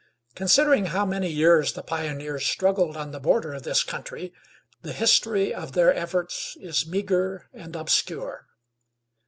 Considering how many years the pioneers struggled on the border of this country, the history of their efforts is meager and obscure.